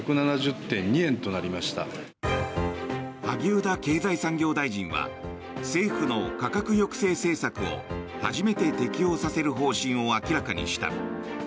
萩生田経済産業大臣は政府の価格抑制政策を初めて適用させる方針を明らかにした。